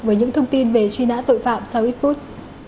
với những thông tin về truy nã tội phạm sau ít phút